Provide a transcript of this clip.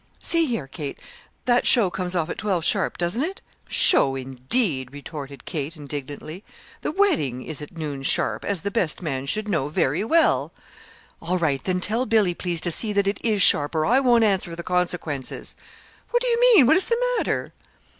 "See here, Kate, that show comes off at twelve sharp, doesn't it?" "Show, indeed!" retorted Kate, indignantly. "The wedding is at noon sharp as the best man should know very well." "All right; then tell Billy, please, to see that it is sharp, or I won't answer for the consequences." "What do you mean? What is the matter?"